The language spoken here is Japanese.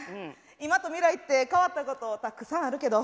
今と未来って変わったことたくさんあるけど。